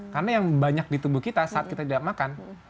karena yang banyak di tubuh kita saat kita tidak makan